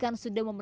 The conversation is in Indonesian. kalau mau beli